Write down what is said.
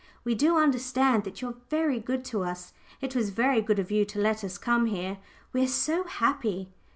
We do understand that you're very good to us it was very good of you to let us come here. We are so happy!"